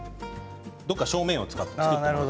どこか正面を作ってもらう。